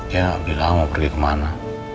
ya bilang mau pergi kemana